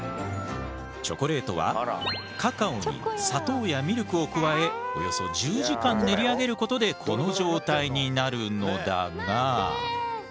チョコレートはカカオに砂糖やミルクを加えおよそ１０時間練り上げることでこの状態になるのだが。